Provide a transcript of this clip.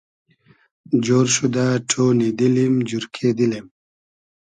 جۉر شودۂ ݖۉنی دیلیم جورکې دیلیم